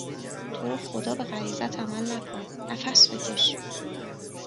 تورو خدا به غریزهات عمل نکن نفس بکش